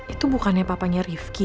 itu bukannya papanya rifki